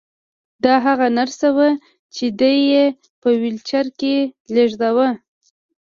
دا هغه نرس وه چې دی یې په ويلچر کې لېږداوه